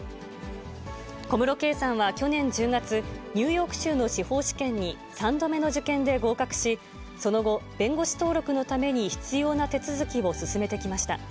小室圭さんは去年１０月、ニューヨーク州の司法試験に３度目の受験で合格し、その後、弁護士登録のために必要な手続きを進めてきました。